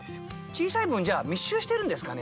小さい分密集してるんですかね？